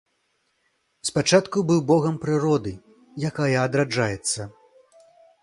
Спачатку быў богам прыроды, якая адраджаецца.